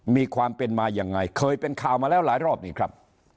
มีความเป็นมายังไงเคยเป็นข่าวมาแล้วหลายรอบนี่ครับ